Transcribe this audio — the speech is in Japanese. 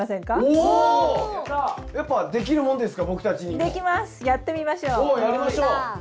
おおやりましょう。